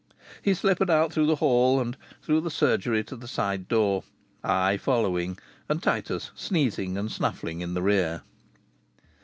He slippered out through the hall and through the surgery to the side door, I following, and Titus sneezing and snuffing in the rear.